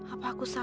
apa aku salah